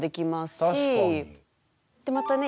でまたね